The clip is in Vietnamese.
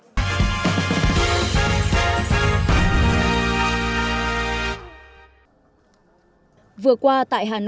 hà nội đã diễn ra lễ tiếp nhận hiện vật do đại sứ quán việt nam